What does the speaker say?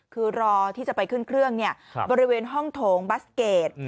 คือรอที่จะไปขึ้นเครื่องบริเวณห้องโถงบัสเกจ